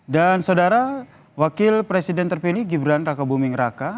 dan saudara wakil presiden terpilih gibran raka buming raka